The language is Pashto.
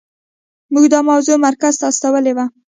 موږ دا موضوع مرکز ته استولې وه.